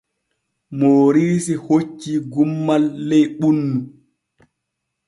Mooriisi hoccii gummal ley ɓunnu.